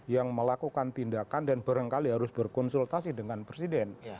yang melakukan tindakan dan barangkali harus berkonsultasi dengan presiden